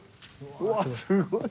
うわすごい。